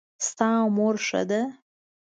د تا مور ښه ده